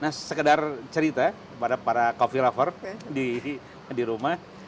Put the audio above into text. nah sekedar cerita kepada para coffee lover di rumah